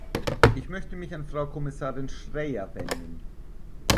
Ich möchte mich an Frau Kommissarin Schreyer wenden.